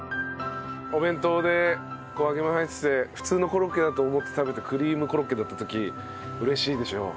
お弁当でこう揚げ物入ってて普通のコロッケだと思って食べてクリームコロッケだった時嬉しいでしょう？